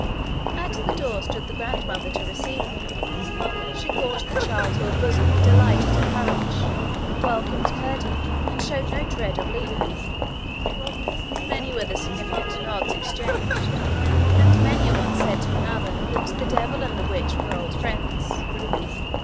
At the door stood the grandmother to receive them. She caught the child to her bosom with delight at her courage, welcomed Curdie, and showed no dread of Lina. Many were the significant nods exchanged, and many a one said to another that the devil and the witch were old friends.